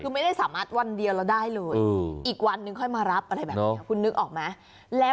ไม่ได้สามัครวันเดียวละได้เลยอีกวันนึงค่อยมารับคุณนึกออกมั้ย